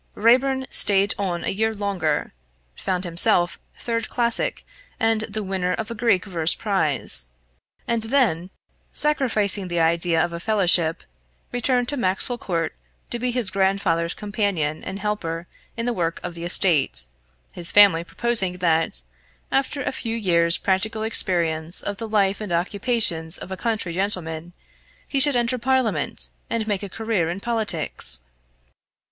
Raeburn stayed on a year longer, found himself third classic and the winner of a Greek verse prize, and then, sacrificing the idea of a fellowship, returned to Maxwell Court to be his grandfather's companion and helper in the work of the estate, his family proposing that, after a few years' practical experience of the life and occupations of a country gentleman, he should enter Parliament and make a career in politics.